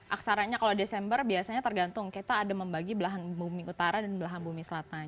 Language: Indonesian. aksaranya kalau desember biasanya tergantung kita ada membagi belahan bumi utara dan belahan bumi selatan